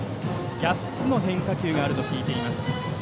８つの変化球があると聞いています。